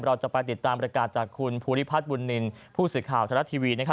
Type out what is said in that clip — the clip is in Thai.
เราจะไปติดตามรายการจากคุณภูริพัฒน์บุญนินผู้ศึกข่าวธรรมดาทีวี